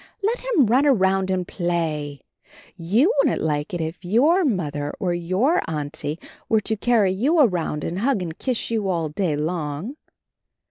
Let him run around and play. You wouldn't like it if your Mother or your Auntie were to carry you around and hug you and kiss you all day long.